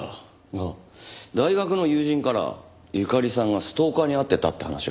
ああ大学の友人から友加里さんがストーカーに遭ってたって話が。